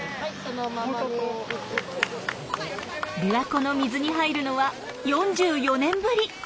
琵琶湖の水に入るのは４４年ぶり。